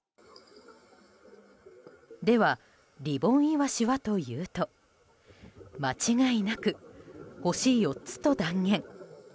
では、リボンイワシはというと間違いなく星４つと断言。